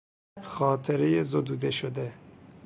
خاطرهی زدوده شده